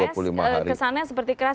sekalipun pak ks kesannya seperti keras